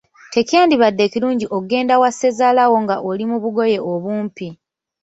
Tekyalibadde kirungi ogende wa Ssezaalawo nga oli mu bugoye obumpi.